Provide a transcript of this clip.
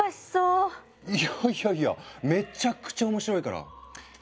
いやいやいやめちゃくちゃ面白いから。